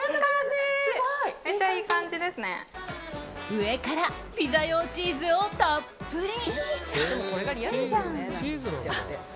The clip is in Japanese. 上からピザ用チーズをたっぷり。